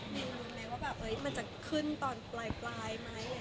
มีความรู้ในว่าแบบมันจะขึ้นตอนปลายไหม